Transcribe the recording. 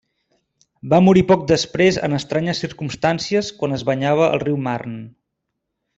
Va morir poc després en estranyes circumstàncies quan es banyava al riu Marne.